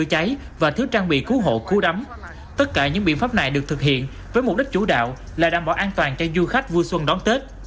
đây là một bước quan trọng để đảm bảo an toàn cho du khách vua xuân đón tết